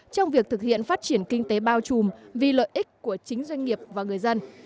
trong việc thực hiện phát triển kinh tế bao trùm vì lợi ích của chính doanh nghiệp và người dân